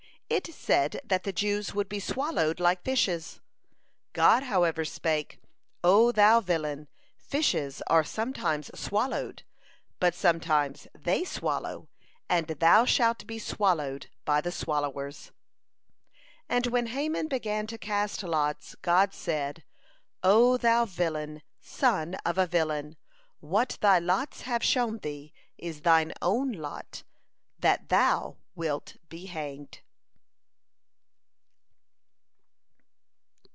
It said that the Jews would be swallowed like fishes. God however spake: "O thou villain! Fishes are sometimes swallowed, but sometimes they swallow, and thou shalt be swallowed by the swallowers." (110) And when Haman began to cast lots, God said: "O thou villain, son of a villain! What thy lots have shown thee is thine own lot, that thou wilt be hanged."